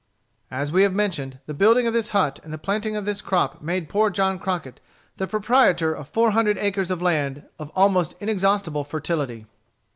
As we have mentioned, the building of this hut and the planting of this crop made poor John Crockett the proprietor of four hundred acres of land of almost inexhaustible fertility.